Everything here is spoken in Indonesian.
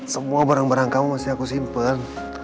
semua barang barang kamu masih aku simpen